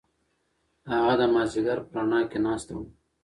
هغه د مازیګر په رڼا کې ناسته وه.